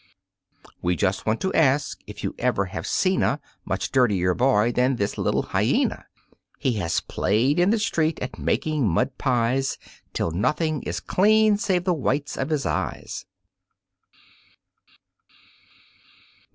We just want to ask if you ever have seen a Much dirtier boy than this little Hyena? He has played in the street at making mud pies Till nothing is clean save the whites of his eyes.